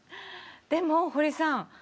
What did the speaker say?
でも堀さん